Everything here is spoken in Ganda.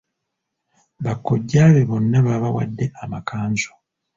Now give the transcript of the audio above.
Bakojja be bonna babawadde amakanzu.